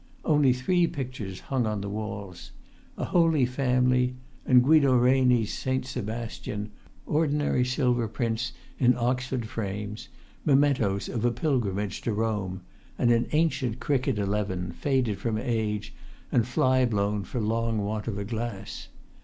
Only three pictures hung on the walls; a Holy Family and Guido Reni's St. Sebastian, ordinary silver prints in Oxford frames, mementoes of a pilgrimage to Rome; and an ancient cricket eleven, faded from age, and fly blown for long want of a glass.